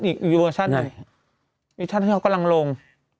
อีกเวอร์ชั่นที่เขากำลังลง